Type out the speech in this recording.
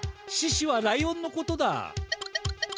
ししはライオンのことだ！